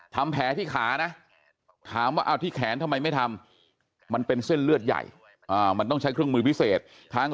ทำแผลที่ขานะถามว่าเอาที่แขนทำไมไม่ทำมันเป็นเส้นเลือดใหญ่มันต้องใช้เครื่องมือพิเศษ